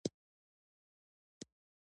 مچان د چای پر پیاله کښېني